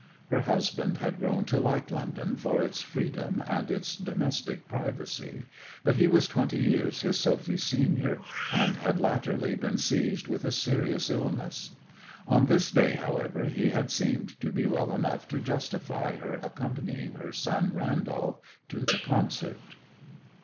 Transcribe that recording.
Her husband had grown to like London for its freedom and its domestic privacy; but he was twenty years his Sophy's senior, and had latterly been seized with a serious illness. On this day, however, he had seemed to be well enough to justify her accompanying her son Randolph to the concert.